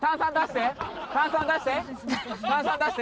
炭酸出して！